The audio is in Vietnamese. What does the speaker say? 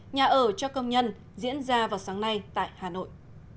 nhà ở cho công nhân diễn ra vào sáng nay tại hà nội